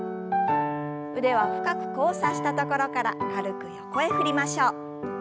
腕は深く交差したところから軽く横へ振りましょう。